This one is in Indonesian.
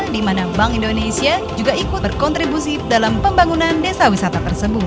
di mana bank indonesia juga ikut berkontribusi dalam pembangunan desa wisata tersebut